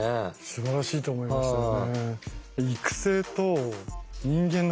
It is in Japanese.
すばらしいと思いますね。